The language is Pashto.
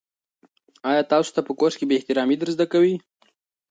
آیا تاسو ته په کورس کې بې احترامي در زده کوي؟